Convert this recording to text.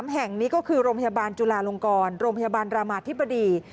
๓แห่งนี้ก็คือโรงพยาบาลจุลาลงกรโรงพยาบาลรามาธิบดี